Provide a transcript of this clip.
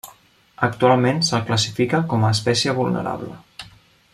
Actualment se'l classifica com a espècie vulnerable.